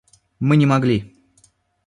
Мы не могли.